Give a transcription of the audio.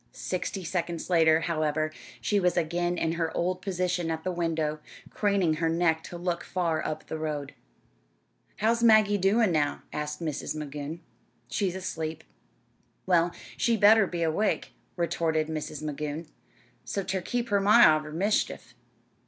Sixty seconds later, however, she was again in her old position at the window, craning her neck to look far up the road. "How's Maggie doin' now?" asked Mrs. Magoon. "She's asleep." "Well, she better be awake," retorted Mrs. Magoon, "so's ter keep her ma out o' mischief.